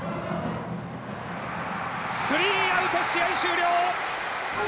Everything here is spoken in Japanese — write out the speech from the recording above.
スリーアウト試合終了。